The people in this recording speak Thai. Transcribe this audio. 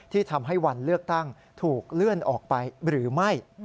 ที่ทำให้วันเลือกตั้งถูกเลื่อนออกไปหรือไม่